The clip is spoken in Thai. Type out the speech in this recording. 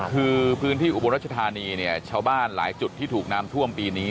คือพื้นที่อุบลรัชธานีเนี่ยชาวบ้านหลายจุดที่ถูกน้ำท่วมปีนี้